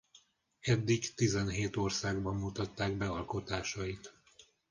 Eddig tizenhét országban mutatták be alkotásait.